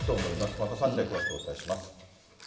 また３時台、詳しくお伝えします。